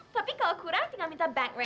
tapi kalau kurang tinggal minta bank rene aja